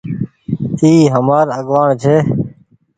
اي همآر آگوآڻ ڇي۔